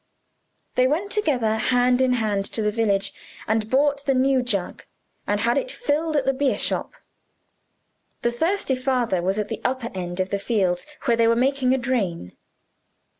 They went together hand in hand to the village, and bought the new jug, and had it filled at the beer shop. The thirsty father was at the upper end of the fields, where they were making a drain.